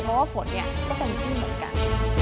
เพราะวาววะฝนก็เป็นที่เหมือนกัน